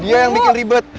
dia yang bikin ribet